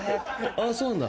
ああそうなんだ。